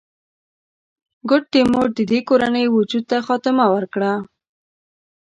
ګوډ تیمور د دې کورنۍ وجود ته خاتمه ورکړه.